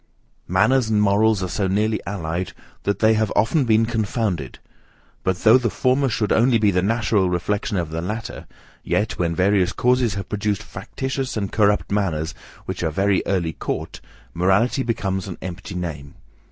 Manners and morals are so nearly allied, that they have often been confounded; but, though the former should only be the natural reflection of the latter, yet, when various causes have produced factitious and corrupt manners, which are very early caught, morality becomes an empty name.